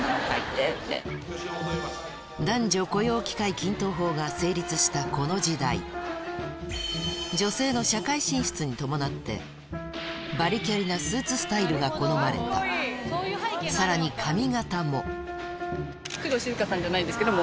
男女雇用機会均等法が成立したこの時代女性の社会進出に伴ってバリキャリなスーツスタイルが好まれた工藤静香さんじゃないですけど。